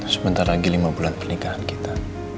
sebentar lagi lima bulan pernikahan kita